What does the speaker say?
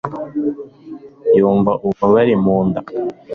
yumva ububabare mu nda